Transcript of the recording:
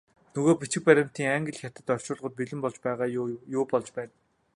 Нөгөө бичиг баримтын англи, хятад орчуулгууд бэлэн болж байгаа юу, юу болж байна?